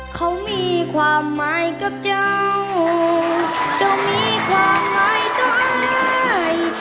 เขามีความหมายกับเจ้าเจ้ามีความหมายตาย